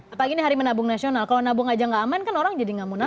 apalagi ini hari menabung nasional kalau nabung aja nggak aman kan orang jadi gak munas